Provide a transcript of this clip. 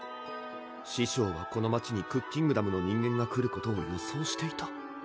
師匠はこの街にクッキングダムの人間が来ることを予想していた？